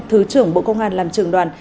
thứ trưởng bộ công an làm trưởng đoàn